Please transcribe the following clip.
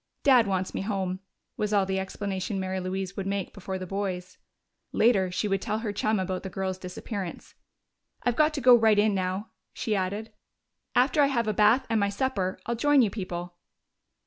"Dad wants me home," was all the explanation Mary Louise would make before the boys. Later, she would tell her chum about the girl's disappearance. "I've got to go right in now," she added. "After I have a bath and my supper, I'll join you people."